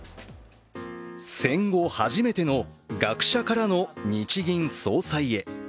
戦後初めての学者からの日銀総裁へ。